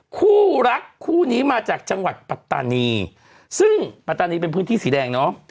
คู่รักคู่นี้มาจากจังหวัดปัตตานีซึ่งปัตตานีเป็นพื้นที่สีแดงเนาะ